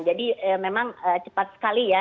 jadi memang cepat sekali ya